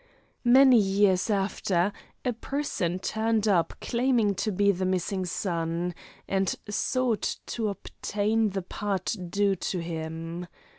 "Many years after, a person turned up claiming to be the missing son, and sought to obtain the part due to him.